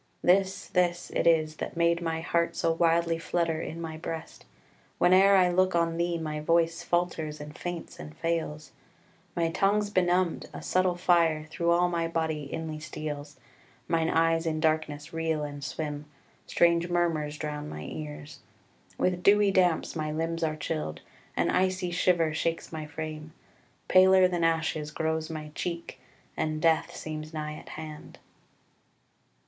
This, this it is that made my heart So wildly flutter in my breast; Whene'er I look on thee, my voice Falters, and faints, and fails; My tongue's benumbed; a subtle fire Through all my body inly steals; Mine eyes in darkness reel and swim; Strange murmurs drown my ears; With dewy damps my limbs are chilled; An icy shiver shakes my frame; Paler than ashes grows my cheek; And Death seems nigh at hand."